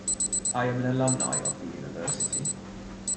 I'm an Alumni of the University.